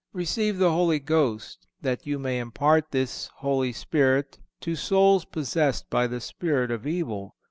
Receive the Holy Ghost, that you may impart this Holy Spirit to souls possessed by the spirit of evil.